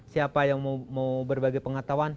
siapa yang mau berbagi pengetahuan